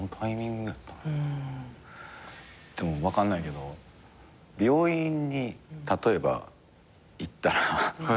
分かんないけど病院に例えば行ったら。